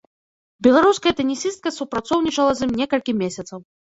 Беларуская тэнісістка супрацоўнічала з ім некалькі месяцаў.